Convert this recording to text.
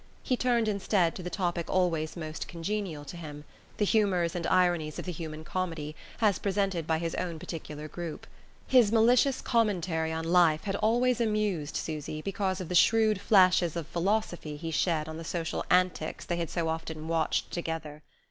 He turned instead to the topic always most congenial to him: the humours and ironies of the human comedy, as presented by his own particular group. His malicious commentary on life had always amused Susy because of the shrewd flashes of philosophy he shed on the social antics they had so often watched together.